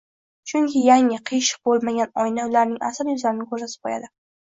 Chunki yangi, qiyshiq bo‘lmagan oyna ularning asl yuzlarini ko‘rsatib qo‘yadi.